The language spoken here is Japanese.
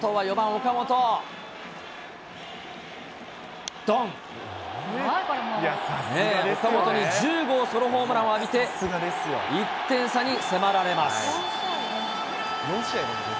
岡本に１０号ソロホームランを浴びて、１点差に迫られます。